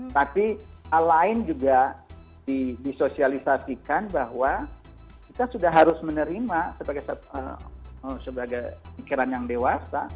tapi hal lain juga disosialisasikan bahwa kita sudah harus menerima sebagai pikiran yang dewasa